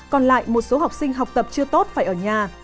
còn lại một số học sinh học tập chưa tốt phải ở nhà